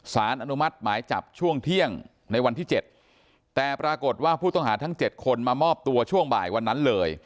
สารอนุมัติหมายจับช่วงเที่ยงในวันที่๗แต่ปรากฏว่าผู้ต้องหาทั้ง๗คนมามอบตัวช่วงบ่ายวันนั้นเลย